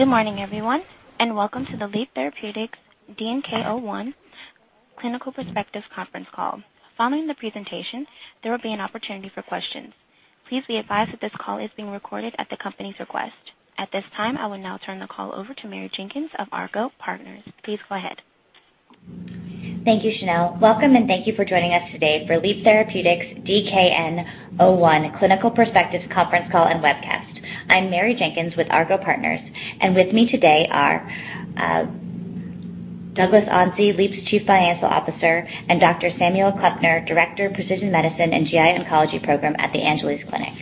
Good morning, everyone, and welcome to the Leap Therapeutics DKN-01 Clinical Perspectives Conference Call. Following the presentation, there will be an opportunity for questions. Please be advised that this call is being recorded at the company's request. At this time, I will now turn the call over to Mary Jenkins of Argot Partners. Please go ahead. Thank you, Chanel. Welcome and thank you for joining us today for Leap Therapeutics' DKN-01 Clinical Perspectives Conference Call and Webcast. I'm Mary Jenkins with Argot Partners. With me today are Douglas Onsi, Leap's Chief Financial Officer, and Dr. Samuel Klempner, Director of Precision Medicine and GI Oncology Program at The Angeles Clinic.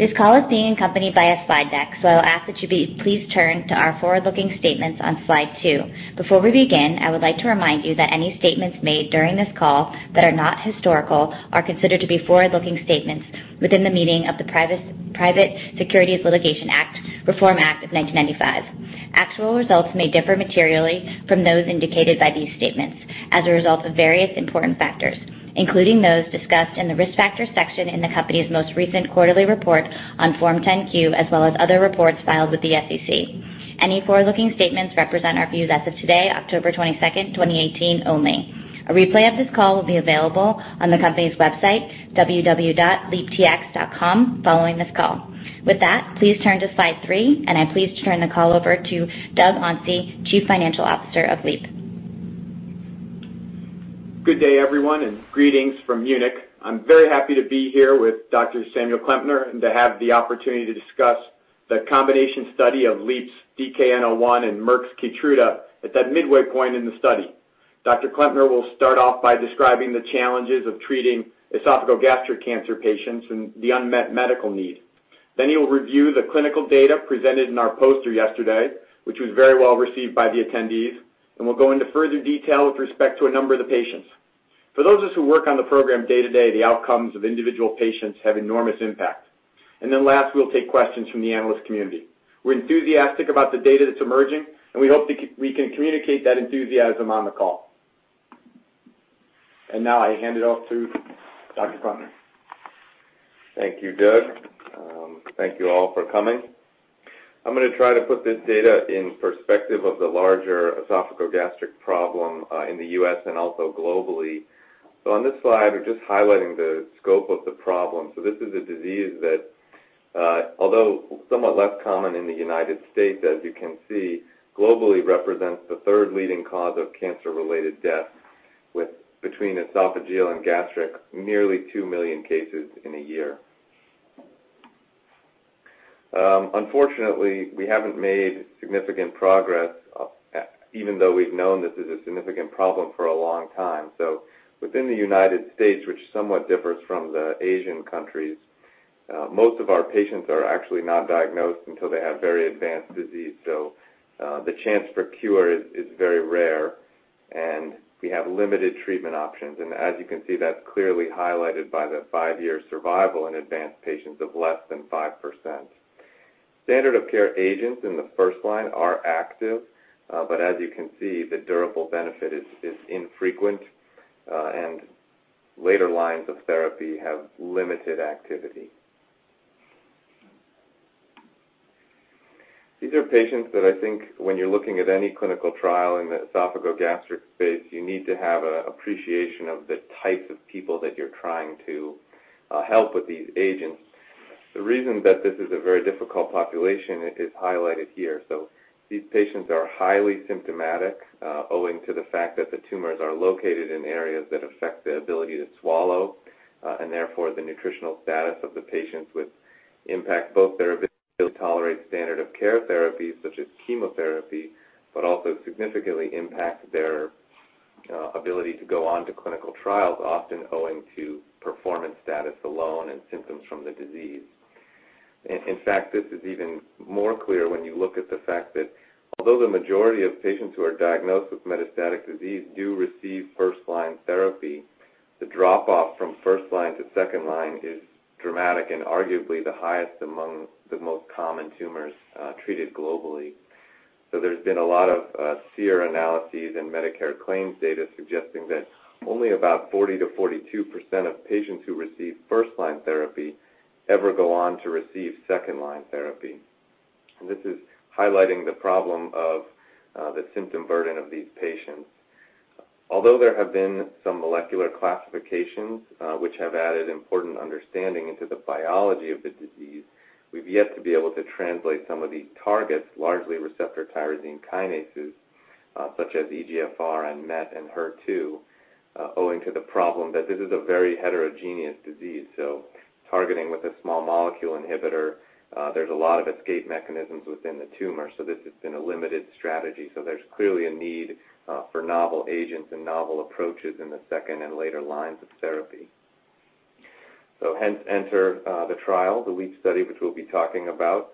This call is being accompanied by a slide deck, I'll ask that you please turn to our forward-looking statements on slide two. Before we begin, I would like to remind you that any statements made during this call that are not historical are considered to be forward-looking statements within the meaning of the Private Securities Litigation Reform Act of 1995. Actual results may differ materially from those indicated by these statements as a result of various important factors, including those discussed in the Risk Factors section in the company's most recent quarterly report on Form 10-Q, as well as other reports filed with the SEC. Any forward-looking statements represent our views as of today, October 22nd, 2018 only. A replay of this call will be available on the company's website, www.leaptx.com, following this call. With that, please turn to slide three, I'm pleased to turn the call over to Doug Onsi, Chief Financial Officer of Leap. Good day, everyone, and greetings from Munich. I'm very happy to be here with Dr. Samuel Klempner and to have the opportunity to discuss the combination study of Leap's DKN-01 and Merck's KEYTRUDA at that midway point in the study. Dr. Klempner will start off by describing the challenges of treating esophageal gastric cancer patients and the unmet medical need. He will review the clinical data presented in our poster yesterday, which was very well received by the attendees and will go into further detail with respect to a number of the patients. For those of us who work on the program day-to-day, the outcomes of individual patients have enormous impact. Last, we'll take questions from the analyst community. We're enthusiastic about the data that's emerging, we hope we can communicate that enthusiasm on the call. Now I hand it off to Dr. Klempner. Thank you, Doug. Thank you all for coming. I'm going to try to put this data in perspective of the larger esophageal gastric problem in the U.S. and also globally. On this slide, we're just highlighting the scope of the problem. This is a disease that although somewhat less common in the U.S., as you can see, globally represents the third leading cause of cancer-related death with between esophageal and gastric, nearly 2 million cases in a year. Unfortunately, we haven't made significant progress even though we've known this is a significant problem for a long time. Within the U.S., which somewhat differs from the Asian countries, most of our patients are actually not diagnosed until they have very advanced disease. The chance for cure is very rare, and we have limited treatment options. As you can see, that's clearly highlighted by the 5-year survival in advanced patients of less than 5%. Standard of care agents in the first line are active. As you can see, the durable benefit is infrequent and later lines of therapy have limited activity. These are patients that I think when you're looking at any clinical trial in the esophageal gastric space, you need to have an appreciation of the type of people that you're trying to help with these agents. The reason that this is a very difficult population is highlighted here. These patients are highly symptomatic owing to the fact that the tumors are located in areas that affect the ability to swallow and therefore the nutritional status of the patients, which impact both their ability to tolerate standard of care therapies such as chemotherapy, but also significantly impact their ability to go on to clinical trials, often owing to performance status alone and symptoms from the disease. In fact, this is even more clear when you look at the fact that although the majority of patients who are diagnosed with metastatic disease do receive first-line therapy, the drop off from first-line to second-line is dramatic and arguably the highest among the most common tumors treated globally. There's been a lot of SEER analyses and Medicare claims data suggesting that only about 40%-42% of patients who receive first-line therapy ever go on to receive second-line therapy. This is highlighting the problem of the symptom burden of these patients. Although there have been some molecular classifications which have added important understanding into the biology of the disease, we've yet to be able to translate some of these targets, largely receptor tyrosine kinases such as EGFR and MET and HER2 owing to the problem that this is a very heterogeneous disease. Targeting with a small molecule inhibitor, there's a lot of escape mechanisms within the tumor. This has been a limited strategy. There's clearly a need for novel agents and novel approaches in the second and later lines of therapy. Hence enter the trial, the LEAP study, which we'll be talking about.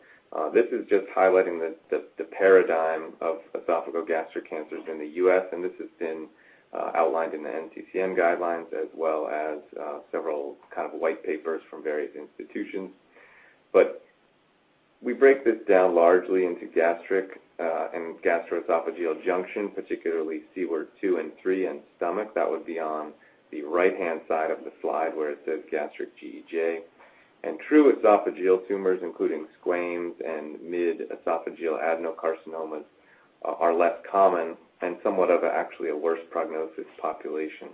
This is just highlighting the paradigm of esophageal gastric cancers in the U.S. This has been outlined in the NCCN guidelines as well as several kind of white papers from various institutions. We break this down largely into gastric and gastroesophageal junction, particularly Siewert 2 and 3 and stomach. That would be on the right-hand side of the slide where it says gastric GEJ. True esophageal tumors, including squamous and mid-esophageal adenocarcinomas are less common and somewhat of actually a worse prognosis population.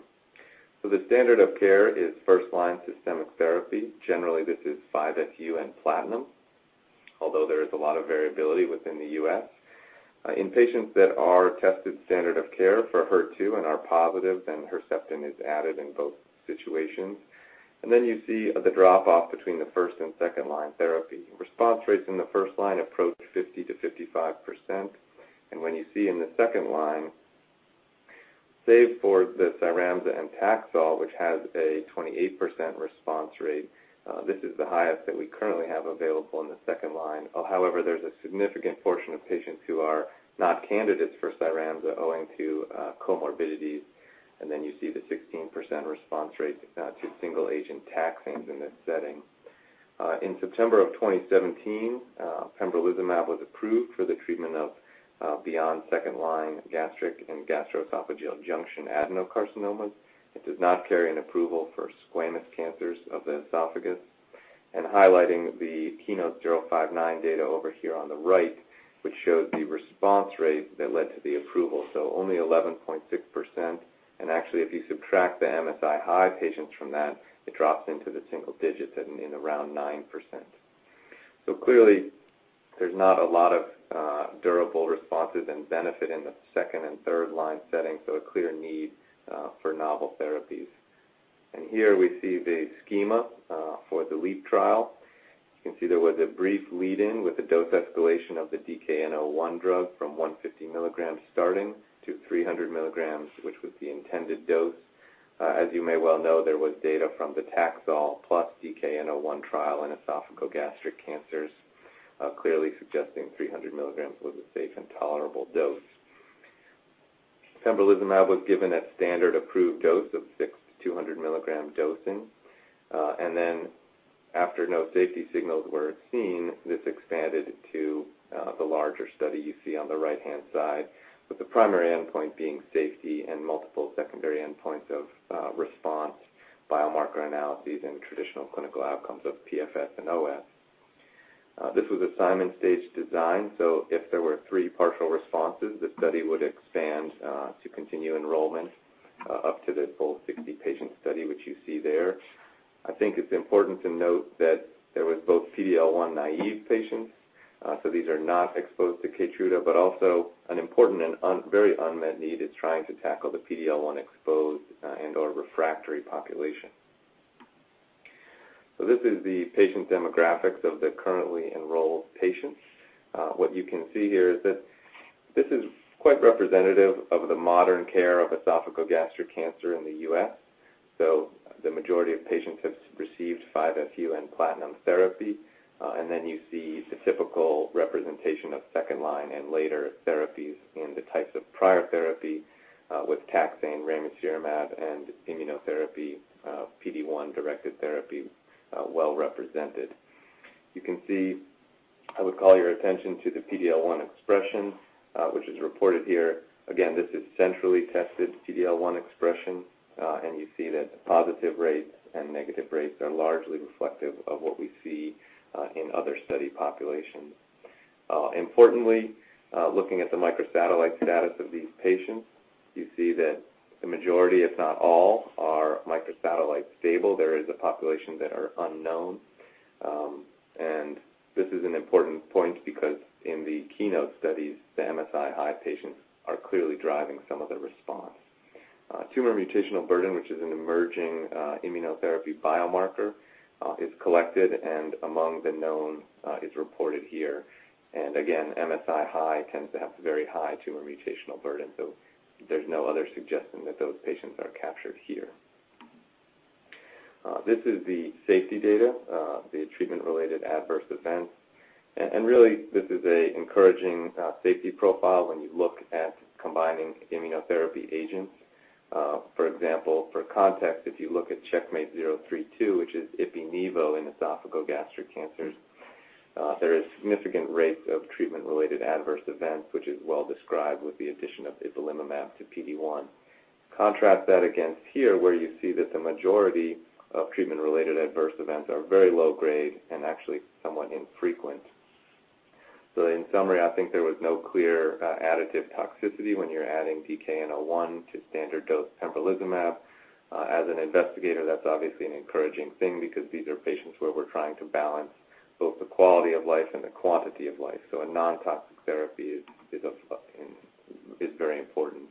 The standard of care is first-line systemic therapy. Generally, this is 5-FU and platinum, although there is a lot of variability within the U.S. In patients that are tested standard of care for HER2 and are positive, then Herceptin is added in both situations. Then you see the drop-off between the first and second-line therapy. Response rates in the first line approach 50%-55%. What you see in the second line, save for the CYRAMZA and Taxol, which has a 28% response rate, this is the highest that we currently have available in the second line. There's a significant portion of patients who are not candidates for CYRAMZA owing to comorbidities. Then you see the 16% response rate to single-agent taxanes in this setting. In September 2017, pembrolizumab was approved for the treatment of beyond second-line gastric and gastroesophageal junction adenocarcinomas. It does not carry an approval for squamous cancers of the esophagus. Highlighting the KEYNOTE-059 data over here on the right, which shows the response rate that led to the approval. Only 11.6%. Actually, if you subtract the MSI-high patients from that, it drops into the single digits at around 9%. Clearly, there's not a lot of durable responses and benefit in the second and third-line settings, a clear need for novel therapies. Here we see the schema for the LEAP trial. You can see there was a brief lead-in with a dose escalation of the DKN-01 drug from 150 mg starting to 300 mg, which was the intended dose. You may well know, there was data from the Taxol plus DKN-01 trial in esophageal gastric cancers clearly suggesting 300 mg was a safe and tolerable dose. Pembrolizumab was given a standard approved dose of six 200 mg dosing. Then after no safety signals were seen, this expanded to the larger study you see on the right-hand side, with the primary endpoint being safety and multiple secondary endpoints of response, biomarker analyses, and traditional clinical outcomes of PFS and OS. This was a Simon stage design. If there were three partial responses, the study would expand to continue enrollment up to the full 60-patient study, which you see there. I think it's important to note that there was both PD-L1 naive patients, these are not exposed to KEYTRUDA, but also an important and very unmet need is trying to tackle the PD-L1 exposed and/or refractory population. This is the patient demographics of the currently enrolled patients. You can see here is that this is quite representative of the modern care of esophageal gastric cancer in the U.S. The majority of patients have received 5-FU and platinum therapy. Then you see the typical representation of second-line and later therapies and the types of prior therapy with taxane, ramucirumab, and immunotherapy, PD-1-directed therapy well represented. You can see, I would call your attention to the PD-L1 expression, which is reported here. Again, this is centrally tested PD-L1 expression, and you see that the positive rates and negative rates are largely reflective of what we see in other study populations. Importantly, looking at the microsatellite status of these patients, you see that the majority, if not all, are microsatellite stable. There is a population that are unknown. This is an important point because in the KEYNOTE studies, the MSI-high patients are clearly driving some of the response. Tumor mutational burden, which is an emerging immunotherapy biomarker, is collected and among the known is reported here. Again, MSI-high tends to have very high tumor mutational burden. There's no other suggestion that those patients are captured here. This is the safety data, the treatment-related adverse events. Really this is an encouraging safety profile when you look at combining immunotherapy agents. For example, for context, if you look at CheckMate 032, which is ipi/nivo in esophageal gastric cancers, there is significant rates of treatment-related adverse events, which is well described with the addition of ipilimumab to PD-1. Contrast that against here, where you see that the majority of treatment-related adverse events are very low grade and actually somewhat infrequent. In summary, I think there was no clear additive toxicity when you're adding DKN-01 to standard dose pembrolizumab. As an investigator, that's obviously an encouraging thing because these are patients where we're trying to balance both the quality of life and the quantity of life. A non-toxic therapy is very important.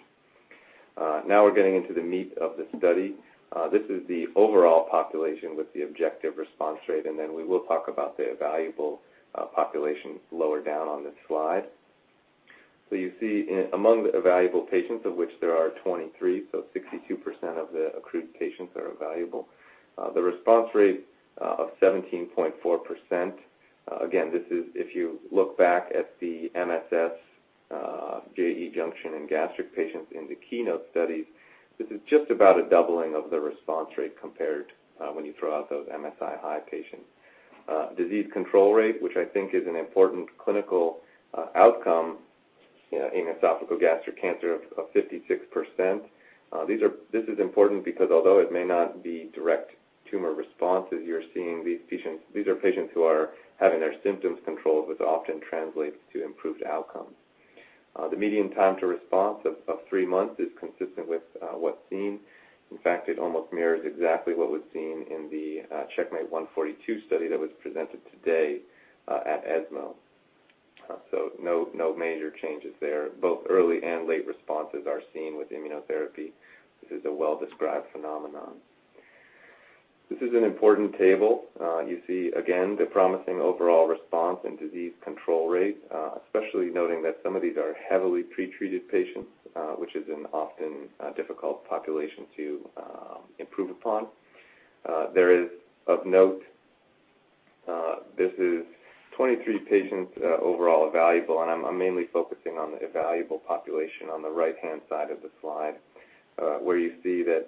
We're getting into the meat of the study. This is the overall population with the objective response rate. Then we will talk about the evaluable populations lower down on this slide. You see among the evaluable patients, of which there are 23, so 62% of the accrued patients are evaluable, the response rate of 17.4%. Again, if you look back at the MSF GE junction in gastric patients in the KEYNOTE studies, this is just about a doubling of the response rate compared to when you throw out those MSI-high patients. Disease control rate, which I think is an important clinical outcome in esophageal gastric cancer of 56%. This is important because although it may not be direct tumor response, as you're seeing these patients, these are patients who are having their symptoms controlled, which often translates to improved outcomes. The median time to response of three months is consistent with what's seen. In fact, it almost mirrors exactly what was seen in the CheckMate 142 study that was presented today at ESMO. No major changes there. Both early and late responses are seen with immunotherapy. This is a well-described phenomenon. This is an important table. You see, again, the promising overall response and disease control rate, especially noting that some of these are heavily pre-treated patients, which is an often difficult population to improve upon. There is, of note this is 23 patients overall evaluable, and I'm mainly focusing on the evaluable population on the right-hand side of the slide, where you see that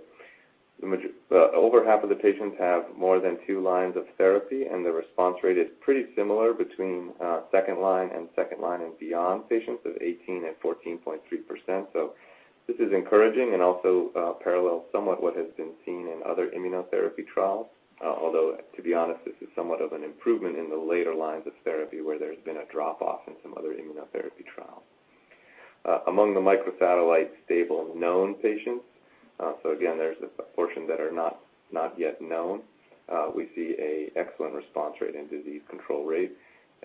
over half of the patients have more than two lines of therapy and the response rate is pretty similar between second line and second line and beyond patients of 18 and 14.3%. This is encouraging and also parallels somewhat what has been seen in other immunotherapy trials. To be honest, this is somewhat of an improvement in the later lines of therapy where there's been a drop-off in some other immunotherapy trials. Among the microsatellite stable known patients, there's a portion that are not yet known. We see an excellent response rate and disease control rate.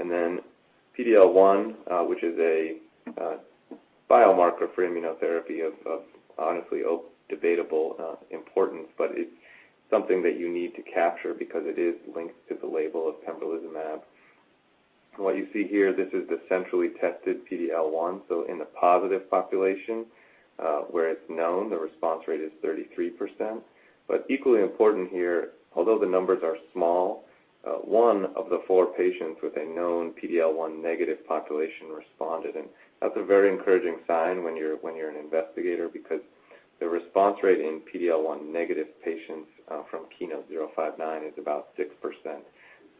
PD-L1, which is a biomarker for immunotherapy of honestly debatable importance, but it's something that you need to capture because it is linked to the label of pembrolizumab. What you see here, this is the centrally tested PD-L1, in the positive population, where it's known the response rate is 33%. Equally important here, although the numbers are small, one of the four patients with a known PD-L1 negative population responded. That's a very encouraging sign when you're an investigator because the response rate in PD-L1 negative patients from KEYNOTE-059 is about 6%.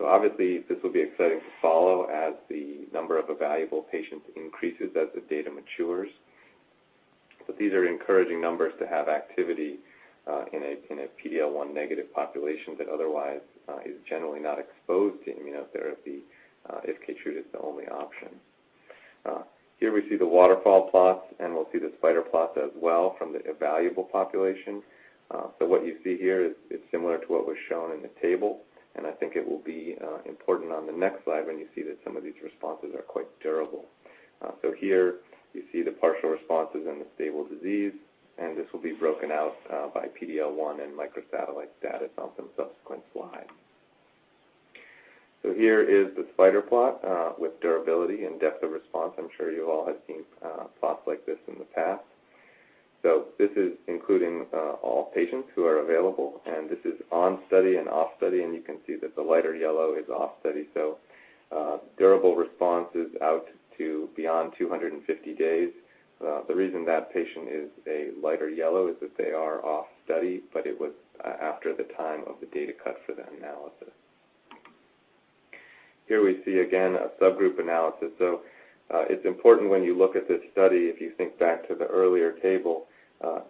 Obviously this will be exciting to follow as the number of evaluable patients increases as the data matures. These are encouraging numbers to have activity in a PD-L1 negative population that otherwise is generally not exposed to immunotherapy if KEYTRUDA is the only option. Here we see the waterfall plots and we'll see the spider plots as well from the evaluable population. What you see here is similar to what was shown in the table, and I think it will be important on the next slide when you see that some of these responses are quite durable. Here you see the partial responses and the stable disease, and this will be broken out by PD-L1 and microsatellite status on some subsequent slides. Here is the spider plot with durability and depth of response. I'm sure you all have seen plots like this in the past. This is including all patients who are available, and this is on study and off study, and you can see that the lighter yellow is off study. Durable response is out to beyond 250 days. The reason that patient is a lighter yellow is that they are off study, but it was after the time of the data cut for that analysis. Here we see, again, a subgroup analysis. It's important when you look at this study, if you think back to the earlier table,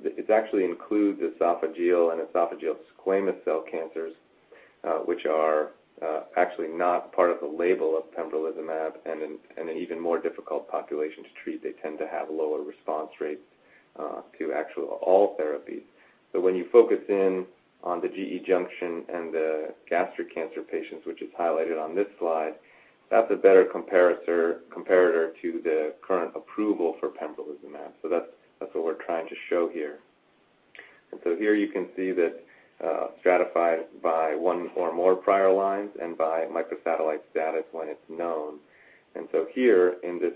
it actually includes esophageal and esophageal squamous cell cancers, which are actually not part of the label of pembrolizumab and an even more difficult population to treat. They tend to have lower response rates to actual all therapies. When you focus in on the GE junction and the gastric cancer patients, which is highlighted on this slide, that's a better comparator to the current approval for pembrolizumab. That's what we're trying to show here. Here you can see that stratified by one or more prior lines and by microsatellite status when it's known. Here in this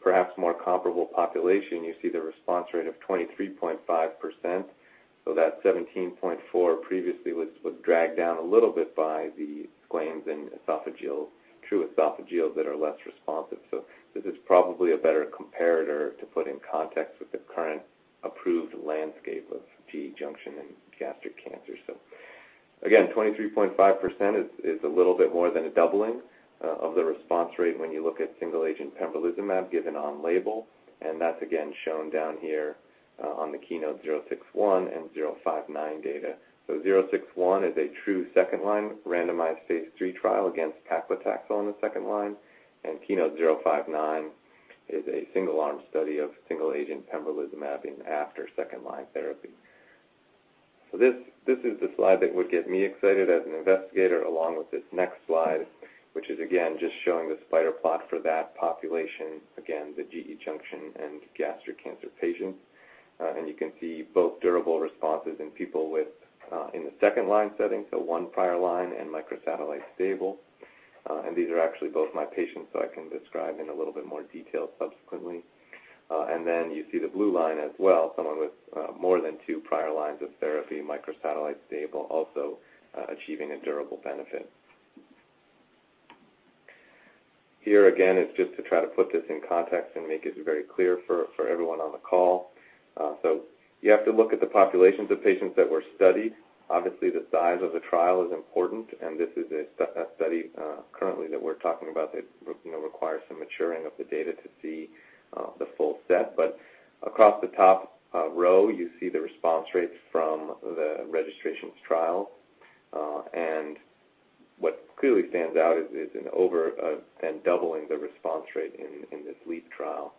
perhaps more comparable population, you see the response rate of 23.5%. That 17.4 previously was dragged down a little bit by the squams and esophageal, true esophageal that are less responsive. This is probably a better comparator to put in context with the current approved landscape of GE junction and gastric cancer. Again, 23.5% is a little bit more than a doubling of the response rate when you look at single agent pembrolizumab given on label. That's again shown down here on the KEYNOTE-061 and 059 data. 061 is a true second-line randomized phase III trial against paclitaxel in the second line, and KEYNOTE-059 is a single arm study of single agent pembrolizumab after second-line therapy. This is the slide that would get me excited as an investigator along with this next slide, which is again just showing the spider plot for that population, again the GE junction and gastric cancer patients. You can see both durable responses in people in the second line setting, one prior line and microsatellite stable. These are actually both my patients, so I can describe in a little bit more detail subsequently. You see the blue line as well, someone with more than two prior lines of therapy, microsatellite stable, also achieving a durable benefit. Here again is just to try to put this in context and make it very clear for everyone on the call. You have to look at the populations of patients that were studied. Obviously, the size of the trial is important, and this is a study currently that we're talking about that will require some maturing of the data to see the full set. Across the top row, you see the response rates from the registrations trial. What clearly stands out is an over 10 doubling the response rate in this LEAP trial.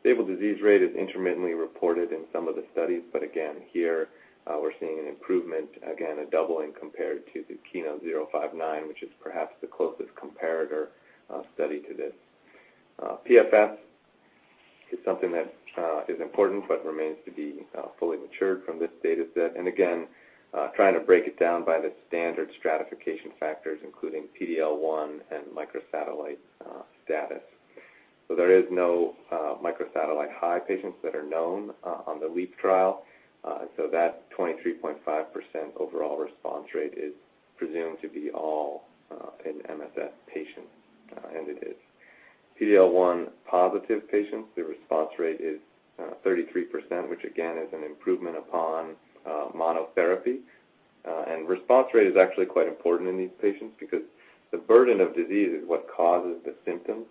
Stable disease rate is intermittently reported in some of the studies, but again, here we're seeing an improvement, again, a doubling compared to the KEYNOTE-059, which is perhaps the closest comparator study to this. PFS is something that is important but remains to be fully matured from this data set. Again, trying to break it down by the standard stratification factors, including PD-L1 and microsatellite status. There is no microsatellite high patients that are known on the LEAP trial. That 23.5% overall response rate is presumed to be all in MSS patients. It is. PD-L1 positive patients, the response rate is 33%, which again, is an improvement upon monotherapy. Response rate is actually quite important in these patients because the burden of disease is what causes the symptoms.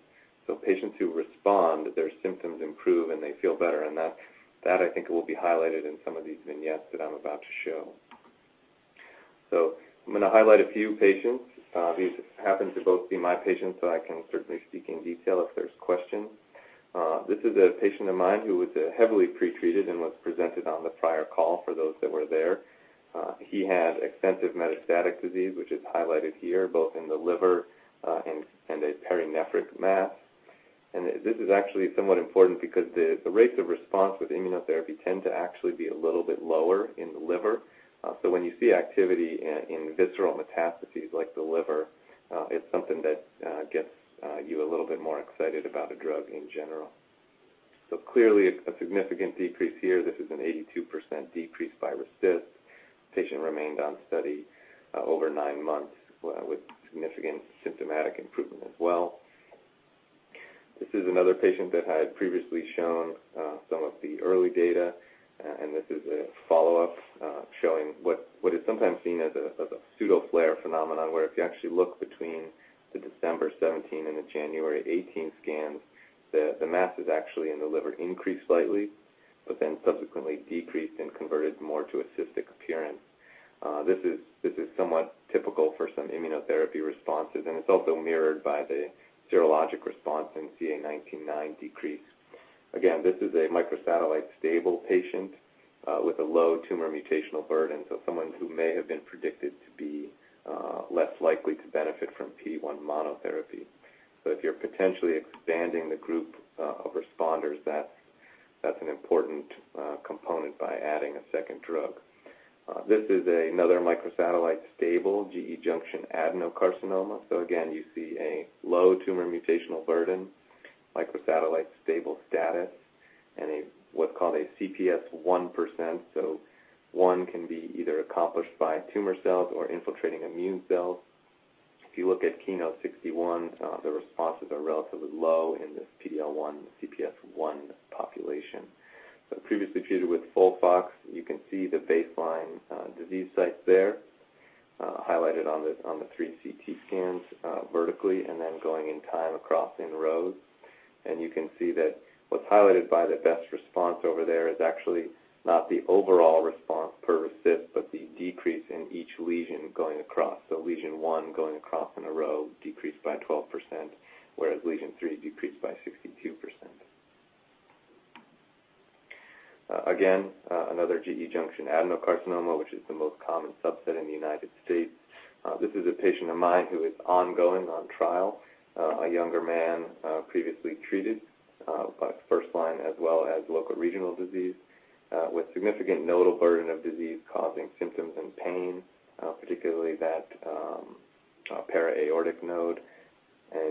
Patients who respond, their symptoms improve, and they feel better, that, I think, will be highlighted in some of these vignettes that I'm about to show. I'm going to highlight a few patients. These happen to both be my patients, so I can certainly speak in detail if there's questions. This is a patient of mine who was heavily pretreated and was presented on the prior call for those that were there. He had extensive metastatic disease, which is highlighted here, both in the liver and a perinephric mass. This is actually somewhat important because the rates of response with immunotherapy tend to actually be a little bit lower in the liver. When you see activity in visceral metastases like the liver, it's something that gets you a little bit more excited about a drug in general. Clearly a significant decrease here. This is an 82% decrease by RECIST. Patient remained on study over nine months with significant symptomatic improvement as well. This is another patient that had previously shown some of the early data. This is a follow-up showing what is sometimes seen as a pseudo flare phenomenon, where if you actually look between the December 2017 and the January 2018 scans, the masses actually in the liver increased slightly, subsequently decreased and converted more to a cystic appearance. This is somewhat typical for some immunotherapy responses, and it's also mirrored by the serologic response in CA 19-9 decrease. Again, this is a microsatellite stable patient with a low tumor mutational burden, someone who may have been predicted to be less likely to benefit from PD-1 monotherapy. If you're potentially expanding the group of responders, that's an important component by adding a second drug. This is another microsatellite stable GE junction adenocarcinoma. Again, you see a low tumor mutational burden, microsatellite stable status, and what's called a CPS 1%. One can be either accomplished by tumor cells or infiltrating immune cells. If you look at KEYNOTE-061, the responses are relatively low in this PD-L1 CPS-1 population. Previously treated with FOLFOX, you can see the baseline disease sites there highlighted on the three CT scans vertically and then going in time across in rows. You can see that what's highlighted by the best response over there is actually not the overall response per RECIST, but the decrease in each lesion going across. Lesion 1 going across in a row decreased by 12%, whereas lesion 3 decreased by 62%. Again, another GE junction adenocarcinoma, which is the most common subset in the U.S. This is a patient of mine who is ongoing on trial. A younger man previously treated by first line as well as local regional disease with significant nodal burden of disease causing symptoms and pain, particularly that para-aortic node.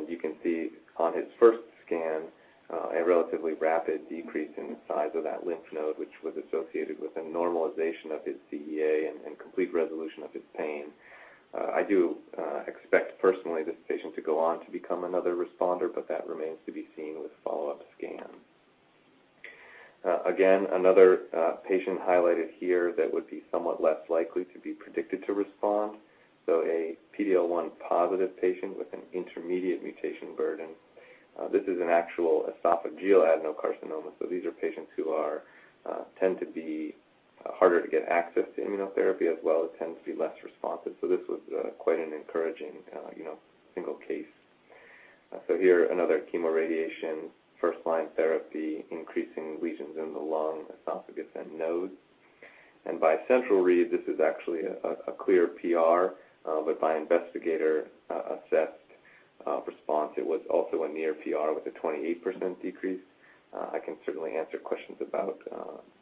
You can see on his first scan a relatively rapid decrease in the size of that lymph node, which was associated with a normalization of his CEA and complete resolution of his pain. I do expect personally this patient to go on to become another responder, but that remains to be seen with follow-up scan. Again, another patient highlighted here that would be somewhat less likely to be predicted to respond. A PD-L1 positive patient with an intermediate mutation burden. This is an actual esophageal adenocarcinoma. These are patients who tend to be harder to get access to immunotherapy as well as tend to be less responsive. This was quite an encouraging single case. Here another chemoradiation first-line therapy increasing lesions in the lung, esophagus, and nodes. By central read, this is actually a clear PR. By investigator-assessed response, it was also a near PR with a 28% decrease. I can certainly answer questions about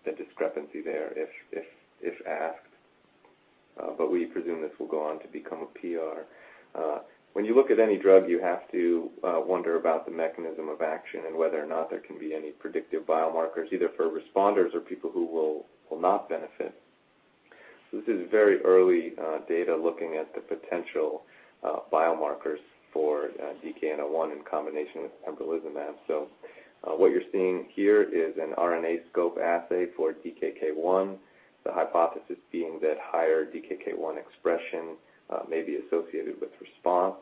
the discrepancy there if asked. We presume this will go on to become a PR. When you look at any drug, you have to wonder about the mechanism of action and whether or not there can be any predictive biomarkers either for responders or people who will not benefit. This is very early data looking at the potential biomarkers for DKN-01 in combination with pembrolizumab. What you're seeing here is an RNAscope assay for DKK 1, the hypothesis being that higher DKK 1 expression may be associated with response.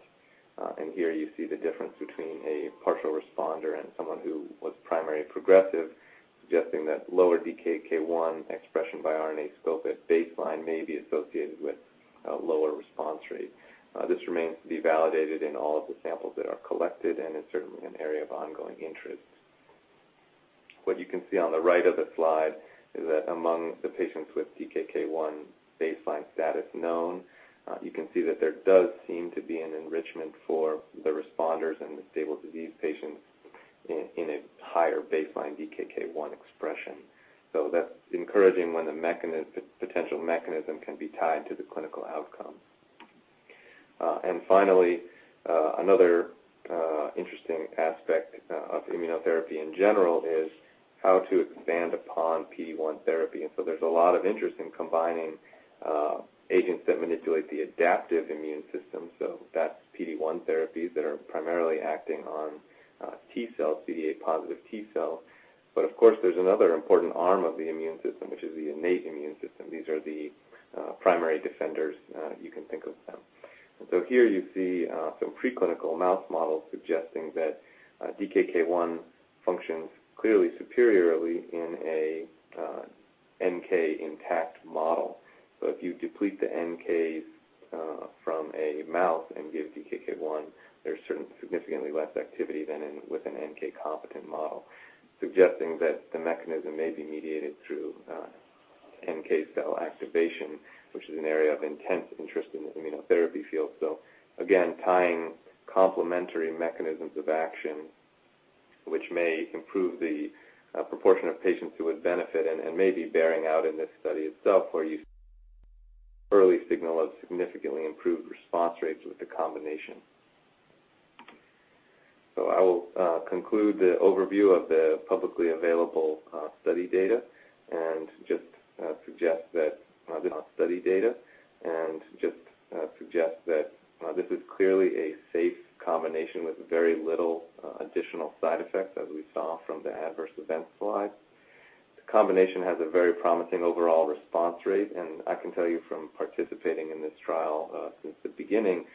Here you see the difference between a partial responder and someone who was primarily progressive, suggesting that lower DKK 1 expression by RNAscope at baseline may be associated with a lower response rate. This remains to be validated in all of the samples that are collected and is certainly an area of ongoing interest. You can see on the right of the slide is that among the patients with DKK 1 baseline status known, you can see that there does seem to be an enrichment for the responders and the stable disease patients in a higher baseline DKK 1 expression. That's encouraging when the potential mechanism can be tied to the clinical outcome. Finally, another interesting aspect of immunotherapy in general is how to expand upon PD-1 therapy. There's a lot of interest in combining agents that manipulate the adaptive immune system. That's PD-1 therapies that are primarily acting on T cells, CD8-positive T cells. Of course, there's another important arm of the immune system, which is the innate immune system. These are the primary defenders, you can think of them. Here you see some preclinical mouse models suggesting that DKK 1 functions clearly superiorly in an NK-intact model. If you deplete the NK from a mouse and give DKK 1, there's certainly significantly less activity than with an NK-competent model, suggesting that the mechanism may be mediated through NK cell activation, which is an area of intense interest in the immunotherapy field. Again, tying complementary mechanisms of action which may improve the proportion of patients who would benefit and may be bearing out in this study itself where you early signal a significantly improved response rates with the combination. I will conclude the overview of the publicly available study data and just suggest that this is clearly a safe combination with very little additional side effects as we saw from the adverse event slide. The combination has a very promising overall response rate, and I can tell you from participating in this trial since the beginning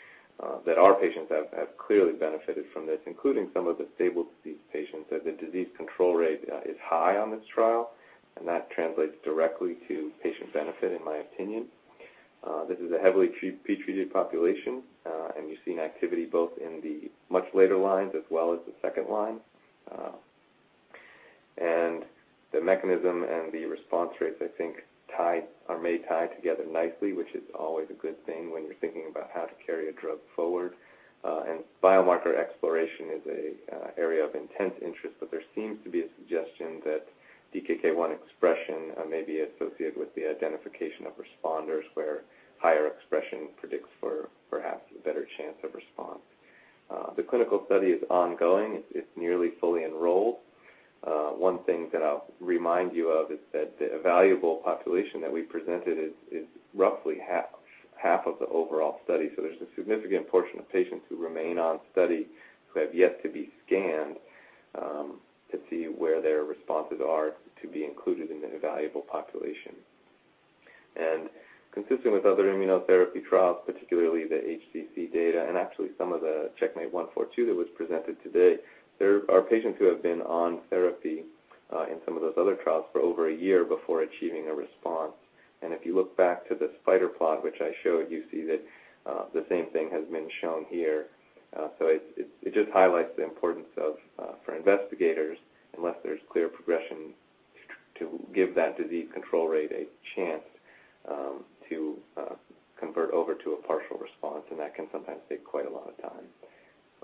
that our patients have clearly benefited from this, including some of the stable disease patients, that the disease control rate is high on this trial, and that translates directly to patient benefit in my opinion. This is a heavily pretreated population, and you're seeing activity both in the much later lines as well as the second line. The mechanism and the response rates I think may tie together nicely, which is always a good thing when you're thinking about how to carry a drug forward. Biomarker exploration is an area of intense interest but there seems to be a suggestion that DKK 1 expression may be associated with the identification of responders where higher expression predicts for perhaps a better chance of response. The clinical study is ongoing. It's nearly fully enrolled. One thing that I'll remind you of is that the evaluable population that we presented is roughly half of the overall study. There's a significant portion of patients who remain on study who have yet to be scanned to see where their responses are to be included in an evaluable population. Consistent with other immunotherapy trials, particularly the HCC data and actually some of the CheckMate 142 that was presented today, there are patients who have been on therapy in some of those other trials for over a year before achieving a response. If you look back to the spider plot which I showed, you see that the same thing has been shown here. It just highlights the importance for investigators, unless there's clear progression, to give that disease control rate a chance to convert over to a partial response and that can sometimes take quite a lot of time.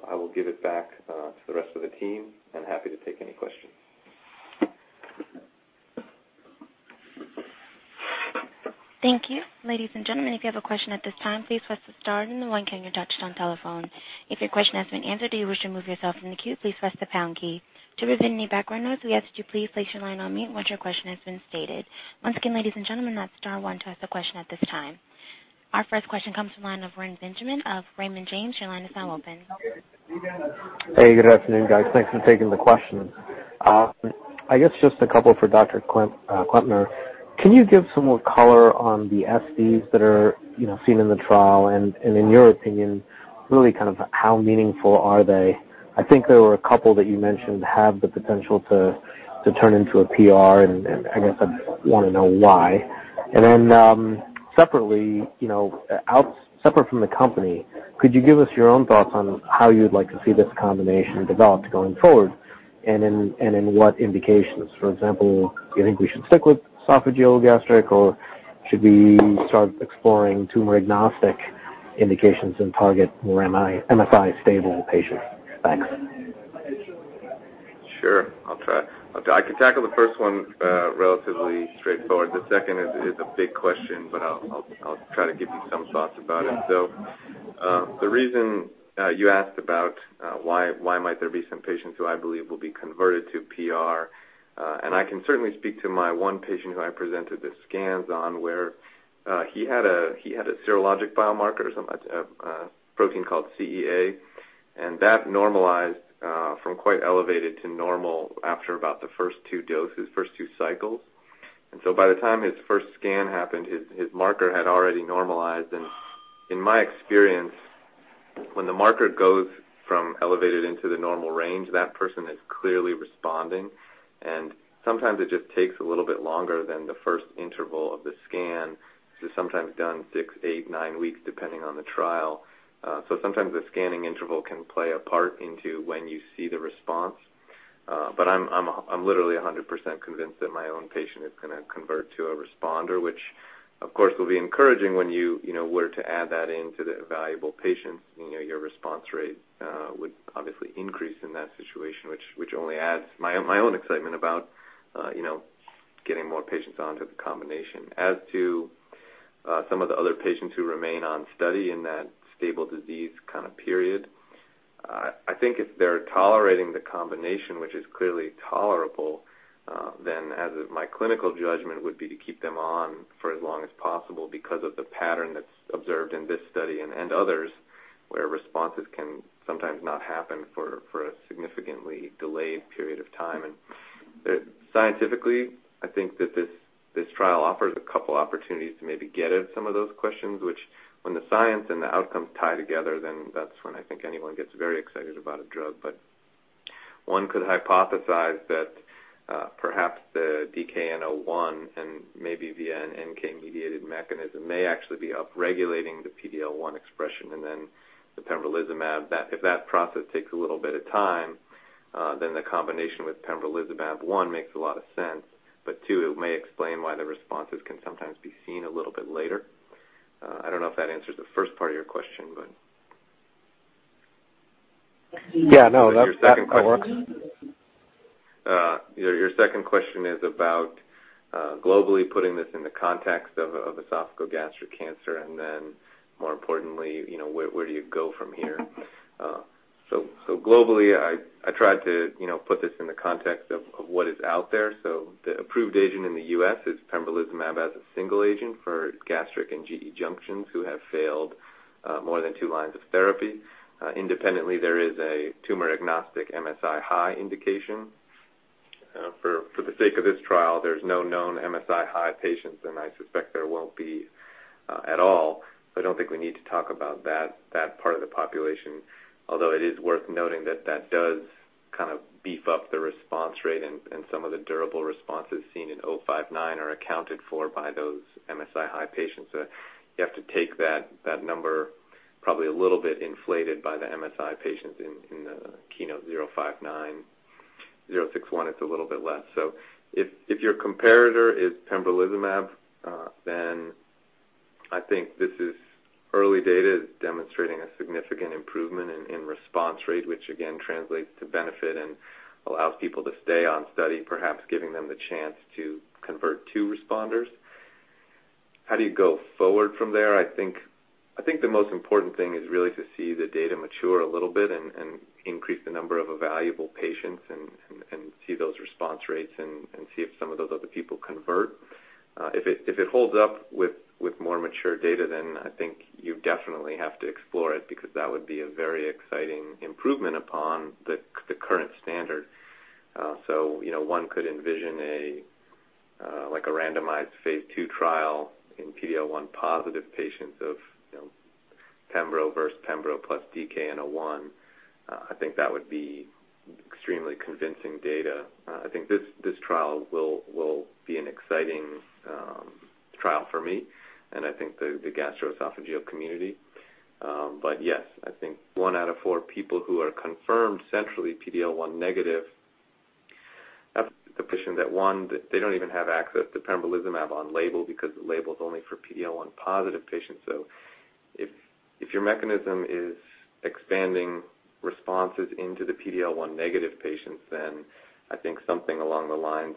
I will give it back to the rest of the team and happy to take any questions. Thank you. Ladies and gentlemen, if you have a question at this time, please press the star then the one key on your touchtone telephone. If your question has been answered, or you wish to remove yourself from the queue, please press the pound key. To prevent any background noise, we ask that you please place your line on mute once your question has been stated. Once again, ladies and gentlemen, that's star one to ask a question at this time. Our first question comes from the line of Rob Benjamin of Raymond James. Your line is now open. Hey, good afternoon, guys. Thanks for taking the question. I guess just a couple for Dr. Klempner. Can you give some more color on the SDs that are seen in the trial? In your opinion, really how meaningful are they? I think there were a couple that you mentioned have the potential to turn into a PR, and I guess I'd want to know why. Then separately, out separate from the company, could you give us your own thoughts on how you'd like to see this combination developed going forward, and in what indications? For example, do you think we should stick with esophageal gastric or should we start exploring tumor-agnostic indications and target more MSI stable patients? Thanks. Sure. I'll try. I can tackle the first one relatively straightforward. The second is a big question, but I'll try to give you some thoughts about it. The reason you asked about why might there be some patients who I believe will be converted to PR, I can certainly speak to my one patient who I presented the scans on, where he had a serologic biomarker, a protein called CEA, that normalized from quite elevated to normal after about the first two doses, first two cycles. By the time his first scan happened, his marker had already normalized. In my experience, when the marker goes from elevated into the normal range, that person is clearly responding, and sometimes it just takes a little bit longer than the first interval of the scan. This is sometimes done six, eight, nine weeks, depending on the trial. Sometimes the scanning interval can play a part into when you see the response. I'm literally 100% convinced that my own patient is going to convert to a responder, which, of course, will be encouraging when you were to add that into the evaluable patients. Your response rate would obviously increase in that situation, which only adds my own excitement about getting more patients onto the combination. As to some of the other patients who remain on study in that stable disease kind of period, I think if they're tolerating the combination, which is clearly tolerable, then as of my clinical judgment would be to keep them on for as long as possible because of the pattern that's observed in this study and others where responses can sometimes not happen for a significantly delayed period of time. Scientifically, I think that this trial offers a couple opportunities to maybe get at some of those questions, which when the science and the outcomes tie together, then that's when I think anyone gets very excited about a drug. One could hypothesize that perhaps the DKN-01 and maybe via an NK-mediated mechanism may actually be upregulating the PD-L1 expression, then the pembrolizumab, if that process takes a little bit of time, then the combination with pembrolizumab, one, makes a lot of sense, but two, it may explain why the responses can sometimes be seen a little bit later. I don't know if that answers the first part of your question. Yeah, no, that works. Your second question is about globally putting this in the context of esophageal gastric cancer, more importantly, where do you go from here? Globally, I tried to put this in the context of what is out there. The approved agent in the U.S. is pembrolizumab as a single agent for gastric and GE junctions who have failed more than two lines of therapy. Independently, there is a tumor-agnostic MSI-high indication. For the sake of this trial, there's no known MSI-high patients, and I suspect there won't be at all, so I don't think we need to talk about that part of the population. Although it is worth noting that that does kind of beef up the response rate and some of the durable responses seen in 059 are accounted for by those MSI-high patients. You have to take that number probably a little bit inflated by the MSI patients in the KEYNOTE-059. 061, it's a little bit less. If your comparator is pembrolizumab, I think this is early data. It's demonstrating a significant improvement in response rate, which again, translates to benefit and allows people to stay on study, perhaps giving them the chance to convert to responders. How do you go forward from there? I think the most important thing is really to see the data mature a little bit and increase the number of evaluable patients and see those response rates and see if some of those other people convert. If it holds up with more mature data, I think you definitely have to explore it because that would be a very exciting improvement upon the current standard. One could envision a randomized phase II trial in PD-L1 positive patients of pembro versus pembro plus DKN-01. I think that would be extremely convincing data. I think this trial will be an exciting trial for me and I think the gastroesophageal community. Yes, I think one out of four people who are confirmed centrally PD-L1 negative, that's the patient that one, they don't even have access to pembrolizumab on label because the label's only for PD-L1 positive patients. If your mechanism is expanding responses into the PD-L1 negative patients, I think something along the lines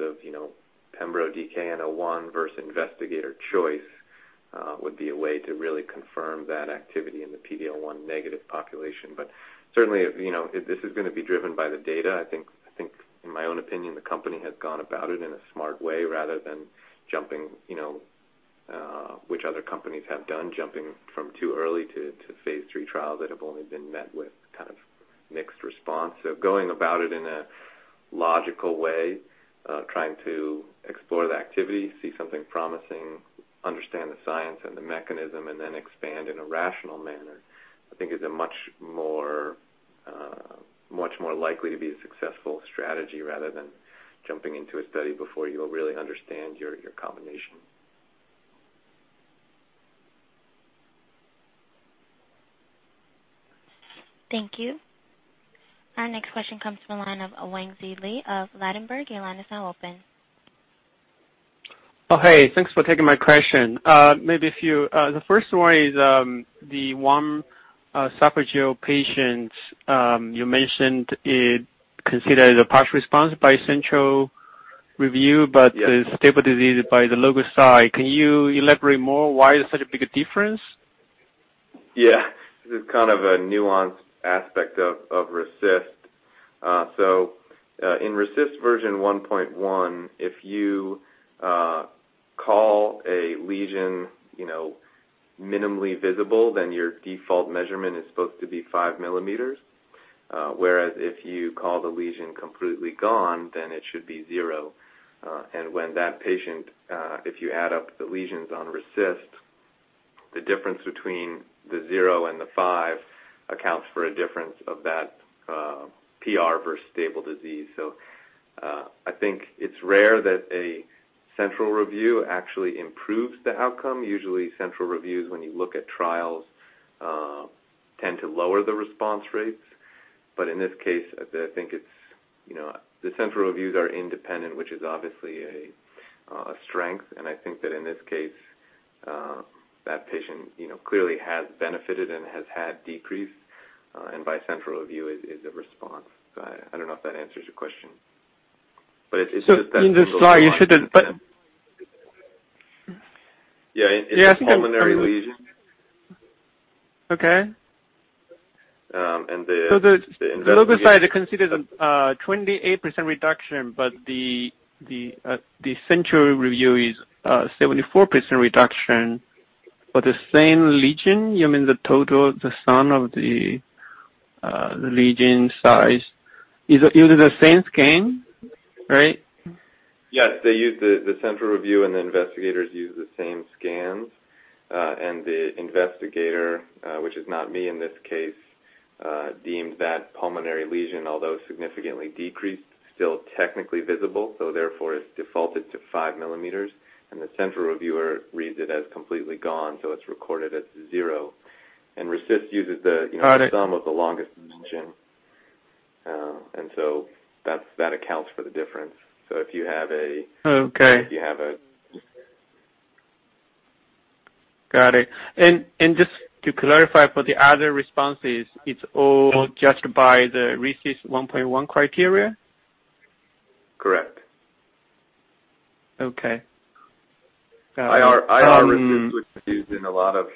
of pembro DKN-01 versus investigator choice would be a way to really confirm that activity in the PD-L1 negative population. Certainly, if this is going to be driven by the data, I think in my own opinion, the company has gone about it in a smart way rather than jumping, which other companies have done, jumping from too early to phase III trials that have only been met with kind of mixed response. Going about it in a logical way trying to explore the activity, see something promising, understand the science and the mechanism, expand in a rational manner, I think is a much more likely to be a successful strategy rather than jumping into a study before you really understand your combination. Thank you. Our next question comes from the line of Wang Zi Lei of Vattenfall. Your line is now open. Hey, thanks for taking my question. The first one is the one esophageal patient you mentioned is considered a partial response by central review, but is stable disease by the local site. Can you elaborate more why there's such a big difference? Yeah. This is kind of a nuanced aspect of RECIST. In RECIST version 1.1, if you call a lesion minimally visible, then your default measurement is supposed to be five millimeters. Whereas if you call the lesion completely gone, then it should be zero. When that patient, if you add up the lesions on RECIST, the difference between the zero and the five accounts for a difference of that PR versus stable disease. I think it's rare that a central review actually improves the outcome. Usually, central reviews, when you look at trials, tend to lower the response rates. In this case, I think the central reviews are independent, which is obviously a strength, and I think that in this case, that patient clearly has benefited and has had decrease. By central review is a response. I don't know if that answers your question, but it's just that. In the slide, you said that. Yeah. It's a pulmonary lesion. Okay. The investigation- The local site considered a 28% reduction, but the central review is 74% reduction for the same lesion? You mean the total sum of the lesion size? Using the same scan, right? Yes. The central review and the investigators use the same scans. The investigator, which is not me in this case, deemed that pulmonary lesion, although significantly decreased, still technically visible. Therefore, it's defaulted to 5 millimeters. The central reviewer reads it as completely gone, so it's recorded as 0. RECIST uses the- Got it sum of the longest dimension. That accounts for the difference. If you have Okay. If you have a Got it. Just to clarify for the other responses, it's all judged by the RECIST 1.1 criteria? Correct. Okay. iRECIST, which is used in a lot of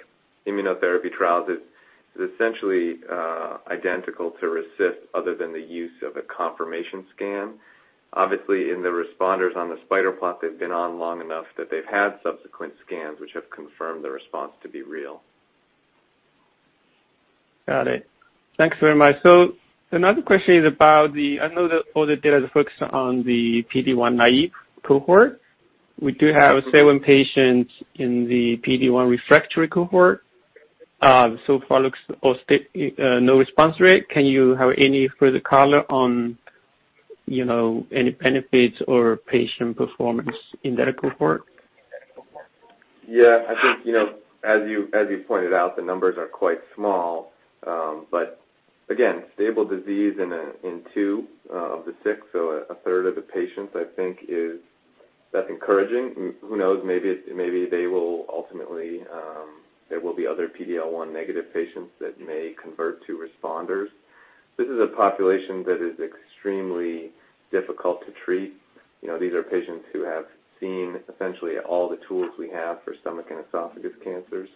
immunotherapy trials, is essentially identical to RECIST other than the use of a confirmation scan. Obviously, in the responders on the spider plot, they've been on long enough that they've had subsequent scans, which have confirmed the response to be real. Got it. Thanks very much. Another question is about the I know that all the data is focused on the PD-1 naive cohort. We do have seven patients in the PD-1 refractory cohort. So far, no response rate. Can you have any further color on any benefits or patient performance in that cohort? Yeah. I think, as you pointed out, the numbers are quite small. Again, stable disease in two of the six, so a third of the patients, I think that's encouraging. Who knows? Maybe there will be other PD-L1 negative patients that may convert to responders. This is a population that is extremely difficult to treat. These are patients who have seen essentially all the tools we have for stomach and esophagus cancers.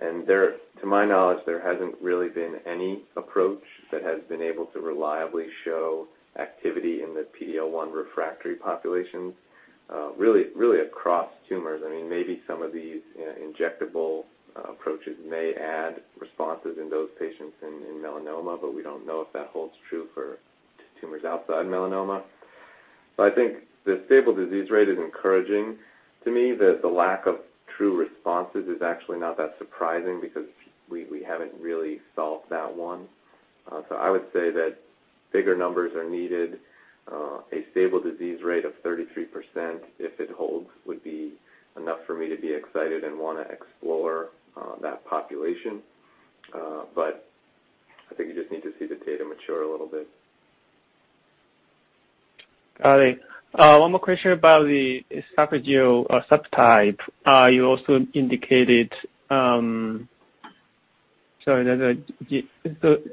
To my knowledge, there hasn't really been any approach that has been able to reliably show activity in the PD-L1 refractory populations, really across tumors. Maybe some of these injectable approaches may add responses in those patients in melanoma, but we don't know if that holds true for tumors outside melanoma. I think the stable disease rate is encouraging to me, that the lack of true responses is actually not that surprising because we haven't really solved that one. I would say that bigger numbers are needed. A stable disease rate of 33%, if it holds, would be enough for me to be excited and want to explore that population. I think you just need to see the data mature a little bit. Got it. One more question about the esophageal subtype. Sorry.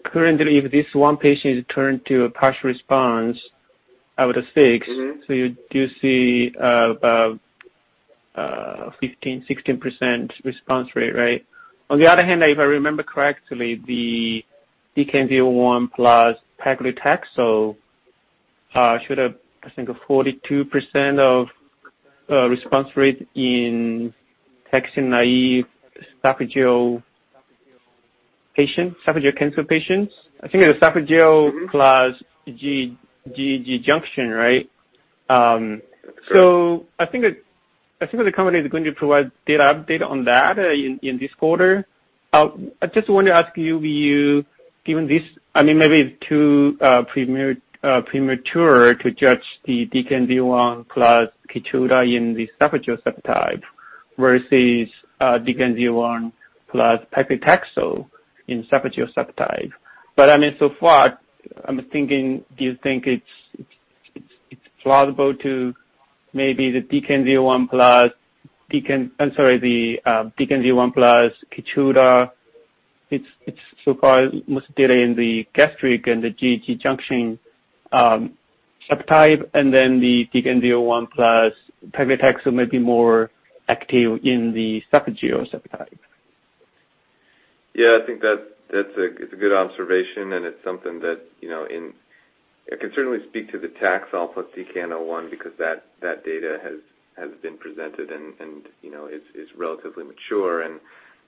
Currently, if this one patient turned to a partial response out of the six- You do see about 15%, 16% response rate, right? On the other hand, if I remember correctly, the DKN-01 plus paclitaxel should have, I think, a 42% response rate in taxane naive esophageal cancer patients. I think it was esophageal- plus GEJ, right? That's correct. I think the company is going to provide data update on that in this quarter. I just want to ask you, maybe it's too premature to judge the DKN-01 plus KEYTRUDA in the esophageal subtype Versus DKN-01 plus paclitaxel in esophageal subtype. So far, do you think it's plausible to maybe the DKN-01 plus KEYTRUDA, it's so far most data in the gastric and the GE junction subtype, and then the DKN-01 plus paclitaxel may be more active in the esophageal subtype? I think that's a good observation and it's something that I can certainly speak to the Taxol plus DKN-01 because that data has been presented and is relatively mature.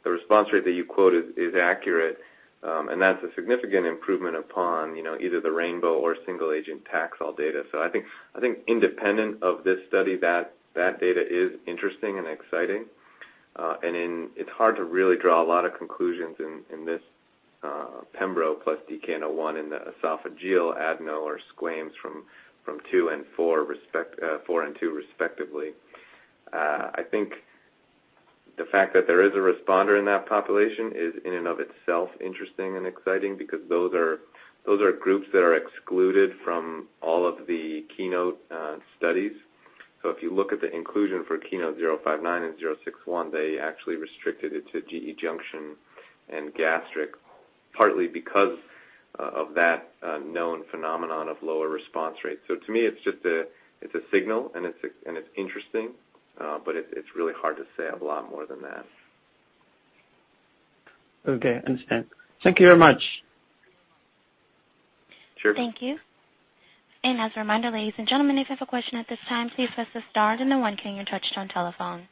The response rate that you quoted is accurate. That's a significant improvement upon either the RAINBOW or single agent Taxol data. I think independent of this study, that data is interesting and exciting. It's hard to really draw a lot of conclusions in this pembro plus DKN-01 in the esophageal adeno or squamous from II and IV respectively. I think the fact that there is a responder in that population is in and of itself interesting and exciting because those are groups that are excluded from all of the KEYNOTE studies. If you look at the inclusion for KEYNOTE-059 and 061, they actually restricted it to GE junction and gastric, partly because of that known phenomenon of lower response rates. To me, it's a signal, and it's interesting. It's really hard to say a lot more than that. Okay, understand. Thank you very much. Sure. Thank you. As a reminder, ladies and gentlemen, if you have a question at this time, please press the star then the one key on your touch-tone telephone.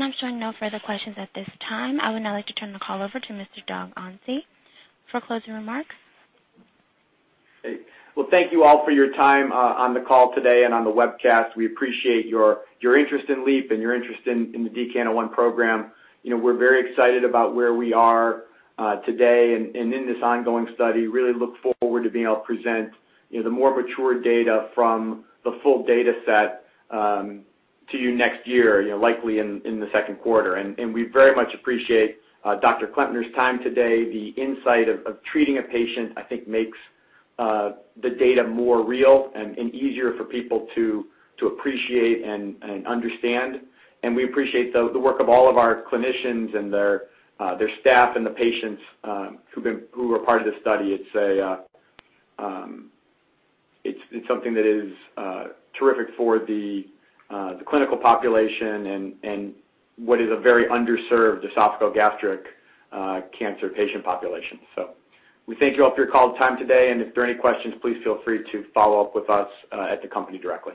I'm showing no further questions at this time. I would now like to turn the call over to Mr. Doug Onsi for closing remarks. Great. Well, thank you all for your time on the call today and on the webcast. We appreciate your interest in LEAP and your interest in the DKN-01 program. We're very excited about where we are today and in this ongoing study. Really look forward to being able to present the more mature data from the full data set to you next year, likely in the second quarter. We very much appreciate Dr. Klempner's time today. The insight of treating a patient, I think, makes the data more real and easier for people to appreciate and understand. We appreciate the work of all of our clinicians and their staff and the patients who were part of this study. It's something that is terrific for the clinical population and what is a very underserved esophageal gastric cancer patient population. We thank you all for your call time today, if there are any questions, please feel free to follow up with us at the company directly.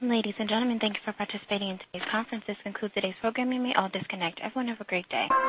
Ladies and gentlemen, thank you for participating in today's conference. This concludes today's programming. We all disconnect. Everyone have a great day.